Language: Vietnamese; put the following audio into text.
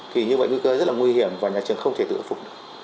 thì như vậy nguy cơ rất là nguy hiểm và nhà trường không thể tự phục